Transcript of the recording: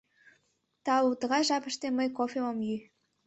— Тау, тыгай жапыште мый кофем ом йӱ.